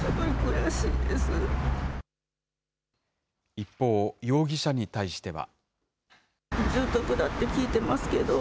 一方、容疑者に対しては。